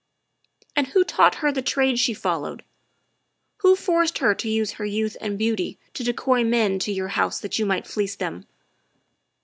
"And who taught her the trade she followed? Who forced her to use her youth and beauty to decoy men to your house that you might fleece them